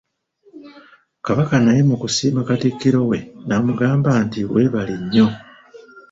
Kabaka naye mu kusiima Katikkiro we, n'amugamba nti weebale nnyo.